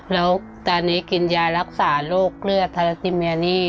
แล้วตอนนี้กินยารักษาโรคเลือดทาราซิเมียนี่